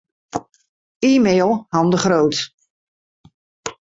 E-mail Han de Groot.